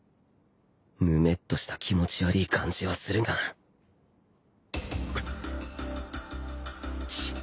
ぬめっとした気持ち悪い感じはするがチッ！